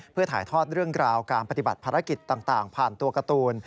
เพื่อถ่ายทอดเรื่องราวการปฏิบัติภารกิจต่างผ่านตัวการ์ตูน